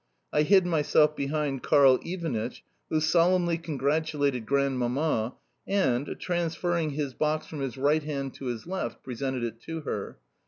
I hid myself behind Karl Ivanitch, who solemnly congratulated Grandmamma and, transferring his box from his right hand to his left, presented it to her.